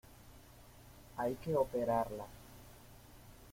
hay que operarla.